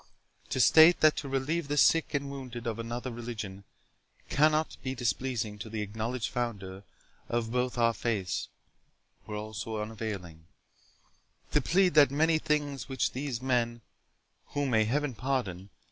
To state that to relieve the sick and wounded of another religion, cannot be displeasing to the acknowledged Founder of both our faiths, were also unavailing; to plead that many things which these men (whom may Heaven pardon!)